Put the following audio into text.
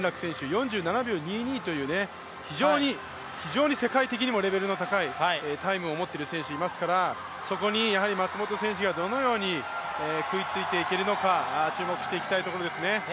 ４７秒２２という非常に世界的にレベルの高いタイムを持っている選手いますから、そこに松元選手がどのように食いついていけるのか、注目していきたいところですね。